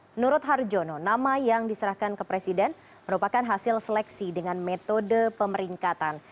menurut harjono nama yang diserahkan ke presiden merupakan hasil seleksi dengan metode pemeringkatan